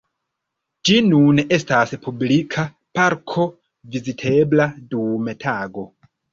Ĝi nun estas publika parko vizitebla dum tago.